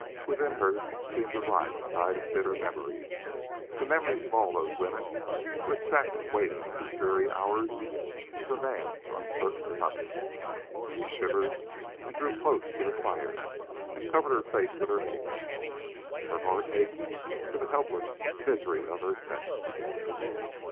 Within her seemed to rise a tide of bitter memories, the memories of all those women who had sat and waited through dreary hours for man's uncertain coming. She shivered and drew close to the fire and covered her face with her hands. Her heart ached for the helpless misery of her sex.